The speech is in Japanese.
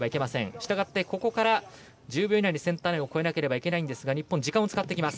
したがってここから１０秒以内にセンターラインを越えなければいけないんですが日本、時間を使ってきます。